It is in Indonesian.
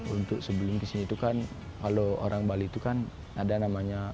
untuk sebelum kesini itu kan kalau orang bali itu kan ada namanya